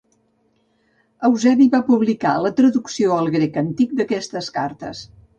Eusebi va publicar la traducció al grec antic d'aquestes cartes.